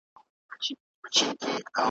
سمدستي سو پوه د زرکي له پروازه ,